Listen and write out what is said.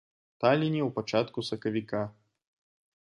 Таліне ў пачатку сакавіка.